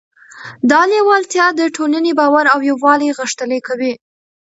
دا لیوالتیا د ټولنې باور او یووالی غښتلی کوي.